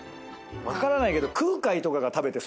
分からないけど。